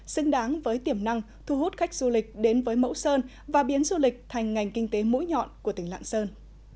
xứng đáng với tiềm năng thu hút khách du lịch đến với mẫu sơn và biến du lịch thành ngành kinh tế mũi nhọn của tỉnh lạng sơn